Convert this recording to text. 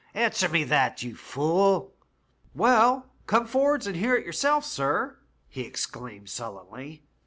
Answer me that, you fool.' ' Well, come forrards and hear it yourself, sir,' he exclaimed sullenly.